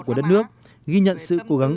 của đất nước ghi nhận sự cố gắng